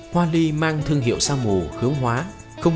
hoa ly mang thương hiệu sa mù hướng hóa